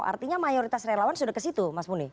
artinya mayoritas relawan sudah ke situ mas muni